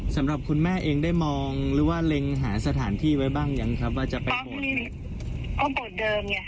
สำหรับคุณแม่เองได้มองหรือว่าเล็งหาสถานที่ไว้บ้างยังครับว่าจะไปโบสถ์ก็บทเดิมไง